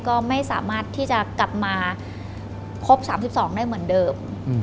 ก็ไม่สามารถที่จะกลับมาครบ๓๒ได้เหมือนเดิม